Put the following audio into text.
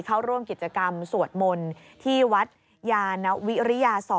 เข้าร่วมกิจกรรมสวดมนต์ที่วัดยานวิริยา๒